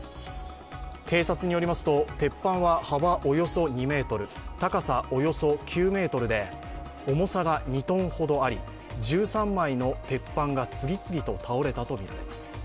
警察によりますと、鉄板は幅およそ２ｍ、高さおよそ９ｍで重さが２ｔほどあり１３枚の鉄板が次々と倒れたとみられます。